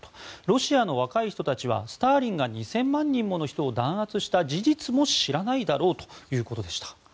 ロシアの若い人たちはスターリンが２０００万人もの人を弾圧した事実も知らないだろうということでした。